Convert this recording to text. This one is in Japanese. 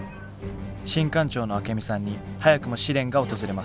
新艦長のアケミさんに早くも試練が訪れます。